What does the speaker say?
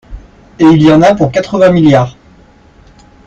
Et il y en a pour quatre-vingts milliards